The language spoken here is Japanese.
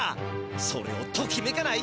それをときめかない？